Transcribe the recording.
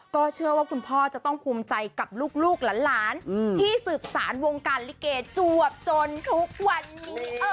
ก็เชื่อว่าคุณพ่อจะต้องภูมิใจกับลูกหลานที่สืบสารวงการลิเกจจวบจนทุกวันนี้